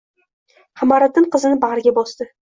Qamariddin qizini bag‘riga bosdi